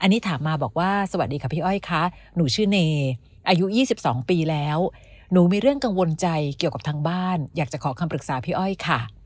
อันนี้ถามมาบอกว่าสวัสดีค่ะพี่อ้อยค่ะหนูชื่อเนยอายุ๒๒ปีแล้วหนูมีเรื่องกังวลใจเกี่ยวกับทางบ้านอยากจะขอคำปรึกษาพี่อ้อยค่ะ